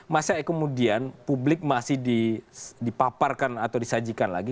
masa kemudian publik masih dipaparkan atau disajikan lagi